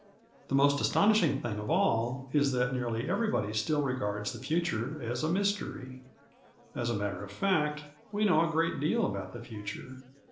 The most astonishing thing of all is that nearly everybody still regards the future as a mystery. As a matter of fact, we know a great deal about the future.